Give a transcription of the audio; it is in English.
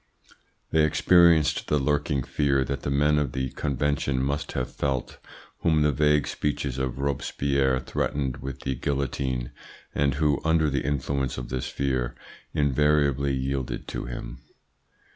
They experienced the lurking fear that the men of the Convention must have felt whom the vague speeches of Robespierre threatened with the guillotine, and who, under the influence of this fear, invariably yielded to him.